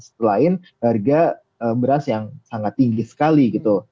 selain harga beras yang sangat tinggi sekali gitu